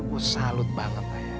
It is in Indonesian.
gue salut banget ayah